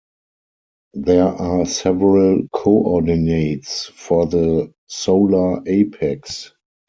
There are several coordinates for the solar apex.